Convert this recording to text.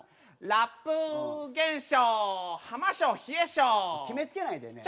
「ラップ現象浜省冷え性」決めつけないでねえ。